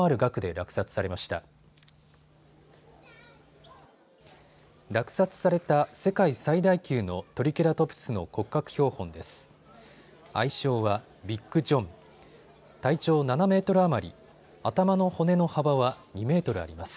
落札された世界最大級のトリケラトプスの骨格標本です。